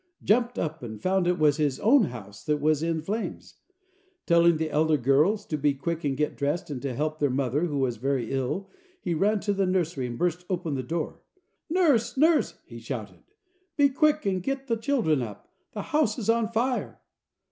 jumped up and found it was his own house that was in flames. Telling the elder girls to be quick and get dressed and to help their mother, who was very ill, he ran to the nursery, and burst open the door. "Nurse, nurse!" he shouted, "be quick and get the children up, the house is on fire."